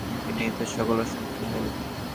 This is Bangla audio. তিনিই তো সকল অশান্তির মূল।